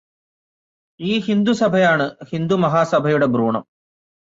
ഈ ഹിന്ദു സഭയാണു ഹിന്ദുമഹാസഭയുടെ ഭ്രൂണം.